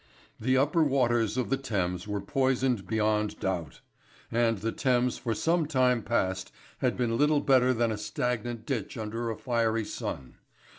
The upper waters of the Thames were poisoned beyond doubt. And the Thames for some time past had been little better than a stagnant ditch under a fiery sun.